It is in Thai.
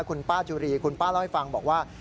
คุณป้าจุรีคุณป้าเล่าให้ฟังบอกว่า